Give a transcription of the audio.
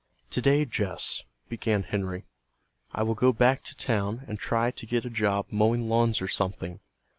"Today, Jess," began Henry, "I will go back to town and try to get a job mowing lawns or something.